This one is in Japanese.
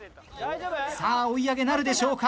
さあ追い上げなるでしょうか。